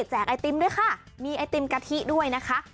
ไอติมด้วยค่ะมีไอติมกะทิด้วยนะคะ